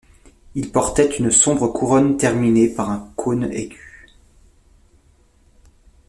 Ils portaient une sombre couronne terminée par un cône aigu.